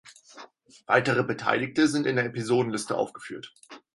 Weitere Beteiligte sind in der Episodenliste aufgeführt.